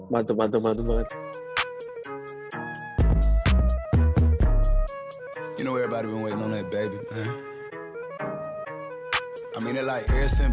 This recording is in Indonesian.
mantep mantep mantep banget